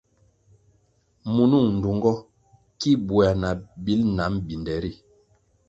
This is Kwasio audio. Munung ndtungo ki buéah na bil nam binde ri.